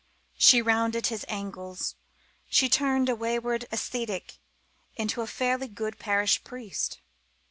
She rounded his angles. She turned a wayward ascetic into a fairly good parish priest.